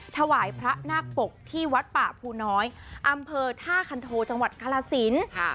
ถวายพระนาคปกที่วัดป่าภูน้อยอำเภอท่าคันโทจังหวัดกาลสิน